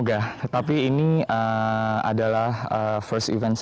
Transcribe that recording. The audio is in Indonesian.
oke baik semoga besok kira kira bisa berhasil gak nih mas untuk mendapat investasi